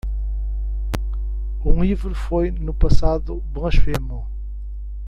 O livro foi no passado blasfemo.